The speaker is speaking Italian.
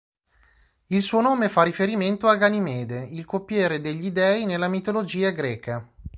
Il suo nome fa riferimento a Ganimede, il coppiere degli dei nella mitologia greca.